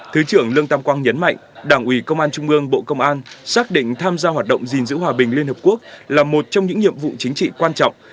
thứ trưởng lương tam quang nhấn mạnh đảng ủy công an trung ương bộ công an xác định tham gia hoạt động gìn giữ hòa bình liên hợp quốc là một trong những nhiệm vụ chính trị quan trọng